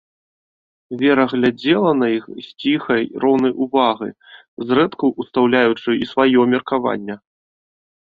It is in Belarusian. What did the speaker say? Вера глядзела на іх з ціхай роўнай увагай, зрэдку ўстаўляючы і сваё меркаванне.